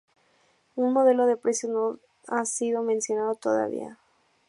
Un modelo de precios no ha sido mencionado todavía.